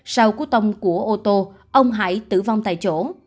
sau cú tông của ô tô ông hải tử vong tại chỗ